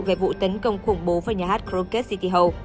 về vụ tấn công khủng bố vào nhà hát rocket city hall